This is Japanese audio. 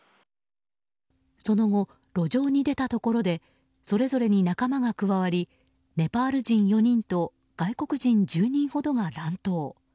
その後、路上に出たところでそれぞれに仲間が加わりネパール人４人と外国人１０人ほどが乱闘。